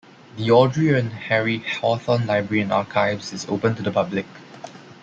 The Audrey and Harry Hawthorn Library and Archives is open to the public.